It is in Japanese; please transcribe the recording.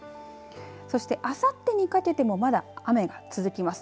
そしてあさってにかけてもまだ雨が続きます。